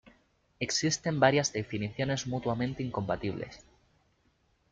Existen varias definiciones mutuamente incompatibles.